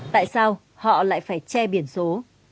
tại sao họ lại phải che biển số